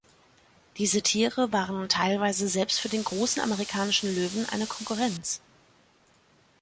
Diese Tiere waren teilweise selbst für den großen Amerikanischen Löwen eine Konkurrenz.